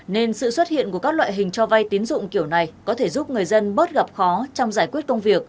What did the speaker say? nên sự xuất hiện của các loại hình cho vay tín dụng kiểu này có thể giúp người dân bớt gặp khó trong giải quyết công việc